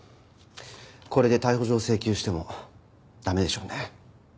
これで逮捕状を請求しても駄目でしょうね。